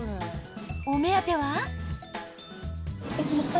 お目当ては。